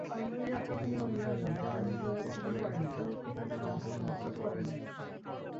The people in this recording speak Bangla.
অভিযোগের বিষয়ে জানতে একাধিকবার চেষ্টা করেও সত্যজিৎ মুখার্জির মুঠোফোন বন্ধ পাওয়া গেছে।